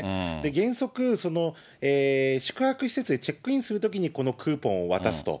原則、宿泊施設にチェックインするときにこのクーポンを渡すと。